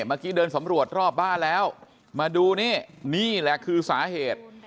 เมื่อกี้เดินสำรวจรอบบ้านแล้วมาดูนี่นี่แหละคือสาเหตุ